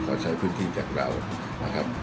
ขอใช้พื้นที่จากเรา